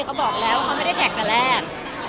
เค้าพูดแล้วไม่ได้แท็กแต่แลก